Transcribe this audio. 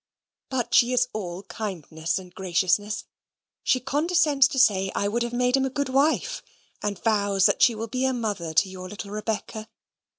But she is all kindness and graciousness. She condescends to say I would have made him a good wife; and vows that she will be a mother to your little Rebecca.